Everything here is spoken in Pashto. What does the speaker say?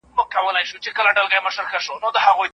طبیعت د لوی خدای له لوري یو ستر نعمت دی.